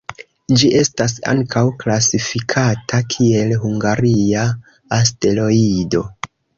Ĝi estas ankaŭ klasifikata kiel hungaria asteroido.